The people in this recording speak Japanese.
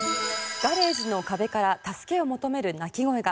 ガレージの壁から助けを求める鳴き声が。